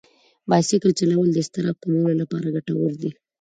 بایسکل چلول د اضطراب کمولو لپاره ګټور دي.